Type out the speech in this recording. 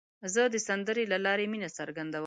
زه د سندرې له لارې مینه څرګندوم.